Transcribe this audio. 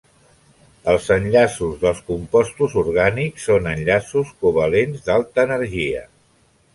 Els enllaços dels compostos orgànics són enllaços covalents d’alta energia.